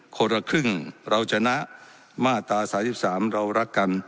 คนละครึ่งเราจะนะมาตราสามสี่สิบสามเรารักกัน